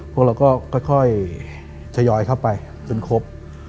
พวกเราก็ค่อยทยอยเข้าไปจนครบ